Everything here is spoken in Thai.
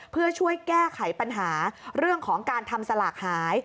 เพื่อช่วยแก้ไขปัญหาเรื่องของการทำสลากหาย